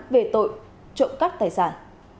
về tội trụng các tài sản